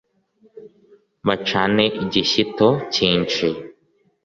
bacane igishyito cyinshi